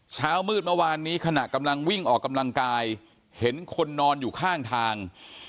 เช้ามืดเมื่อวานนี้ขณะกำลังวิ่งออกกำลังกายเห็นคนนอนอยู่ข้างทาง